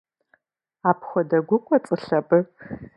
Апхуэдэ гу кӏуэцӏылъ абы?